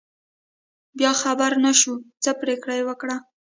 بیا خبر نشو، څه پرېکړه یې وکړه.